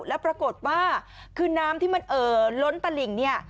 แล้วปรากฏว่าคือน้ำที่มันเอ่อล้นตลิ่งเนี่ย